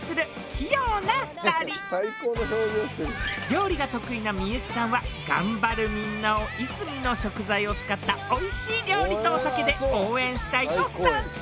料理が得意な幸さんは頑張るみんなをいすみの食材を使ったおいしい料理とお酒で応援したいと参戦。